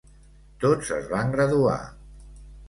Tots es van graduar.